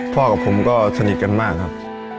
กับผมก็สนิทกันมากครับ